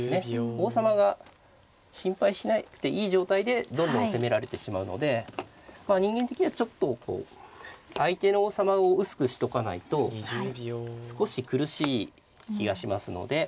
王様が心配しなくていい状態でどんどん攻められてしまうので人間的にはちょっとこう相手の王様を薄くしとかないと少し苦しい気がしますので。